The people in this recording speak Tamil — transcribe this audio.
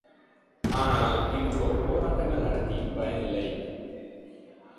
ஆனால் இன்றோ போராட்டங்கள் நடத்தியும் பயனில்லை.